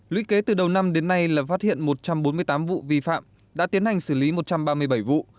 lý kế từ đầu năm đến nay là phát hiện một trăm bốn mươi tám vụ vi phạm đã tiến hành xử lý một trăm ba mươi bảy vụ